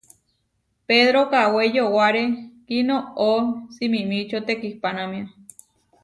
Pedro kawé yowáre kinoʼó simimičío tekipánamia.